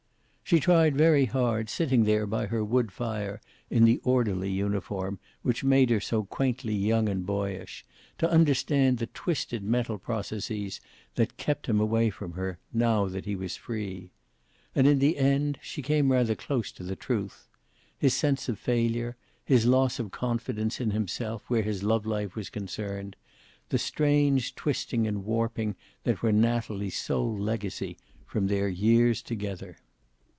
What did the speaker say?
She tried very hard, sitting there by her wood fire in the orderly uniform which made her so quaintly young and boyish, to understand the twisted mental processes that kept him away from her, now that he was free. And, in the end, she came rather close to the truth: his sense of failure; his loss of confidence in himself where his love life was concerned; the strange twisting and warping that were Natalie's sole legacy from their years together.